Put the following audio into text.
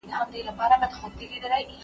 ویاړمنه